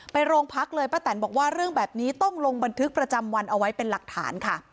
โรงพักเลยป้าแตนบอกว่าเรื่องแบบนี้ต้องลงบันทึกประจำวันเอาไว้เป็นหลักฐานค่ะ